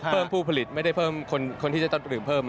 ผู้ผลิตไม่ได้เพิ่มคนที่จะต้องดื่มเพิ่ม